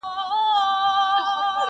• ژوندون یا ګټه او یا تاوان دی,